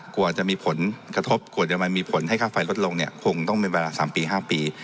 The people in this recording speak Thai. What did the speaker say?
กว่าจะมีผลกระทบกว่าจะมามีผลให้ค่าไฟลดลงเนี่ยคงต้องเป็นเวลา๓ปี๕ปี